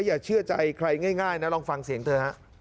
อย่าเชื่อใจใครง่ายนะลองฟังเสียงเธอฮะ